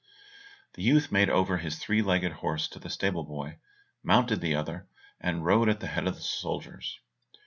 The youth made over his three legged horse to the stable boy, mounted the other, and rode at the head of the soldiers.